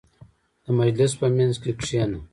• د مجلس په منځ کې کښېنه.